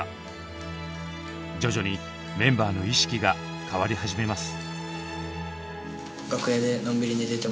徐々にメンバーの意識が変わり始めます。